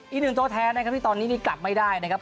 อีกหนึ่งตัวแท้ที่ตอนนี้กลับไม่ได้นะครับ